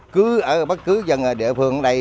cứ ở bất cứ dân địa phương ở đây